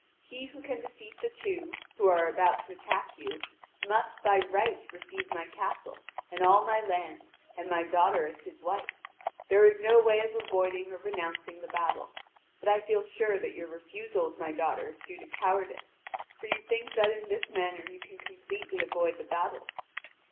He who can defeat the two, who are about to attack you, must by right receive my castle, and all my land, and my daughter as his wife. There is no way of avoiding or renouncing the battle. But I feel sure that your refusal of my daughter is due to cowardice, for you think that in this manner you can completely avoid the battle.